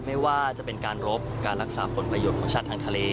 ไม่ว่าจะเป็นการรบการรักษาผลประโยชน์ของชาติทางทะเล